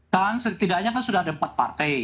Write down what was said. kan setidaknya kan sudah ada empat partai